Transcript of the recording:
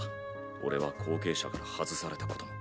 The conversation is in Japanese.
俺は後継者から外されたことも。